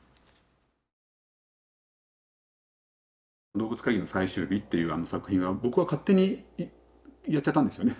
「動物会議の最終日」っていう作品は僕は勝手にやっちゃったんですよね。